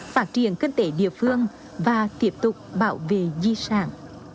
phát triển kinh tế địa phương và tiếp tục bảo vệ di sản